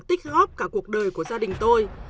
tích góp cả cuộc đời của gia đình tôi